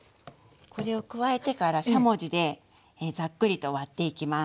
これを加えてからしゃもじでザックリと割っていきます。